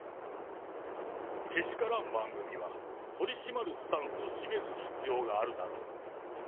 けしからん番組は取り締まるスタンスを示す必要があるだろう。